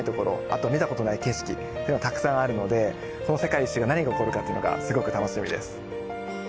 あと見た事のない景色というのがたくさんあるのでこの世界一周で何が起こるかというのがすごく楽しみです。